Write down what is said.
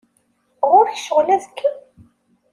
Ɣur-k ccɣel azekka?